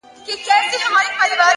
گراني شاعري زه هم داسي يمه;